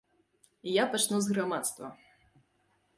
Я пачну з грамадства.